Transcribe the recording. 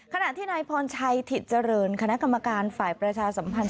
ขณะที่นายพรชัยถิตเจริญคณะกรรมการฝ่ายประชาสัมพันธ์